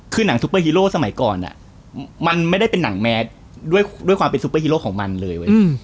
คือหนังซุปเปอร์ฮีโร่สมัยก่อนมันไม่ได้เป็นหนังแมสด้วยความเป็นซุปเปอร์ฮีโร่ของมันเลยเว้ย